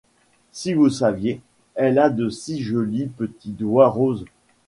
Si vous saviez, elle a de si jolis petits doigts roses !